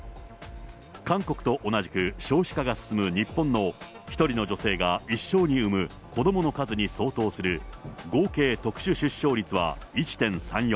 韓国と同じく少子化が進む日本の１人の女性が一生に産む子どもの数に相当する、合計特殊出生率は１．３４。